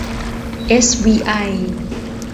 เอสวีไอ